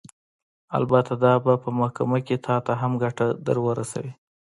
البته دا به په محکمه کښې تا ته هم ګټه درورسوي.